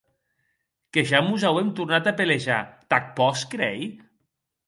Que ja mos auem tornat a pelejar, t'ac pòs creir?